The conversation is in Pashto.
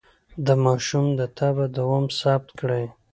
د ماشوم د تبه دوام ثبت کړئ.